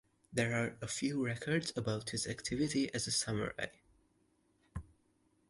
There are few records about his activity as samurai.